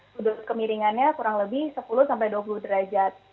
sudut kemiringannya kurang lebih sepuluh sampai dua puluh derajat